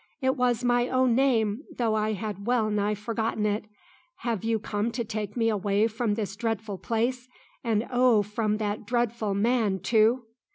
It was my own name, though I had well nigh forgotten it. Have you come to take me away from this dreadful place? and oh, from that dreadful man too?"